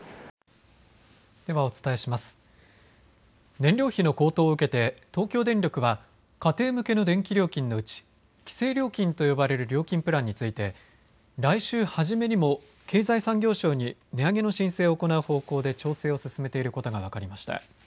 燃料費の高騰を受けて東京電力は家庭向けの電気料金のうち規制料金と呼ばれる料金プランについて来週初めにも経済産業省に値上げの申請を行う方向で調整を進めていることが分かりました。